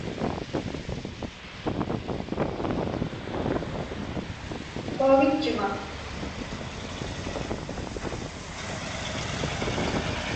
Quagitchuŋa.